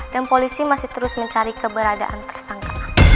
dan polisi masih terus mencari keberadaan tersangka